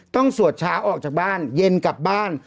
สวดช้าออกจากบ้านเย็นกลับบ้าน